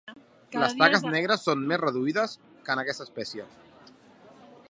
Les taques negres són més reduïdes que en aquesta espècie.